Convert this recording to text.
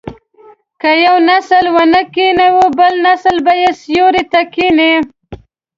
که یو نسل ونې کینوي بل نسل به یې سیوري ته کیني.